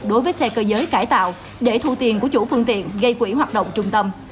đối với xe cơ giới cải tạo để thu tiền của chủ phương tiện gây quỹ hoạt động trung tâm